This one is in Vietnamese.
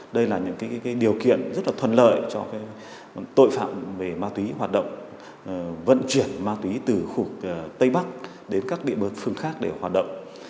đây giúp một lần neben bảo vệ cho tội phạm về ma túy hoạt động vận chuyển ma túy từ khu vực tây bắc đến các địa bàn phương khác để hoạt động